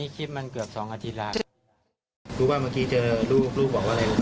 แต่มันรับฝ้อนมากเลยครับ